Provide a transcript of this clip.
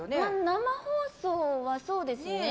生放送はそうですね。